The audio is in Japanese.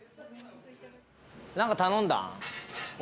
何か頼んだ？